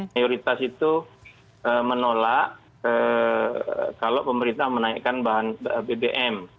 mayoritas itu menolak kalau pemerintah menaikkan bahan bbm